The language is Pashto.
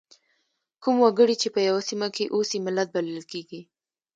کوم وګړي چې په یوه سیمه کې اوسي ملت بلل کیږي.